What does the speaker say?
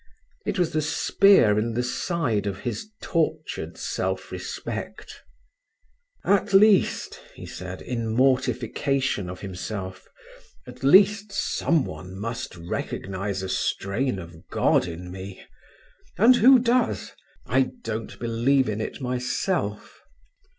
It was the spear in the side of his tortured self respect. "At least," he said, in mortification of himself—"at least, someone must recognize a strain of God in me—and who does? I don't believe in it myself."